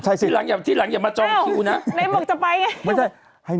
ใช่ที่หลังอย่าที่หลังอย่ามานะไหนบอกจะไปไงไม่ได้ให้